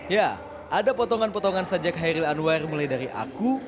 ya ada potongan potongan sejak hairil anwar mulai dari aku